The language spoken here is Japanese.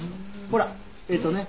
ほらえーっとね